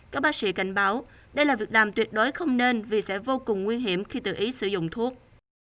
các bác sĩ cảnh báo đây là việc làm tuyệt đối không nên vì sẽ vô cùng nguy hiểm khi tự ý sử dụng thuốc